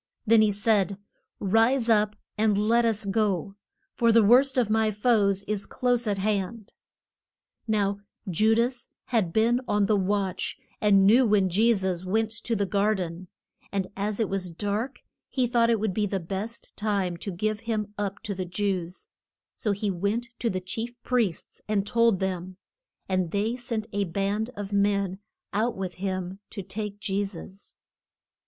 Then he said, Rise up and let us go, for the worst of my foes is close at hand. [Illustration: JU DAS BE TRAY ING CHRIST.] Now Ju das had been on the watch, and knew when Je sus went to the gar den. And as it was dark he thought it would be the best time to give him up to the Jews. So he went to the chief priests and told them, and they sent a band of men out with him to take Je sus.